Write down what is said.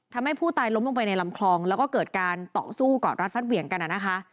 ทำให้ผู้ตายล้มลงไปในลำคลองแล้วก็เกิดการต่อสู้กอดรัดฟัดเหวี่ยงกันนะคะ